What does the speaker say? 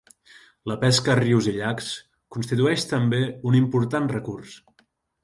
La pesca a rius i llacs constitueix també un important recurs.